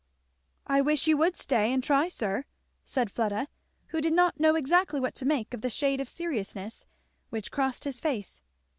"I wish you would stay and try, sir," said Fleda, who did not know exactly what to make of the shade of seriousness which crossed his face.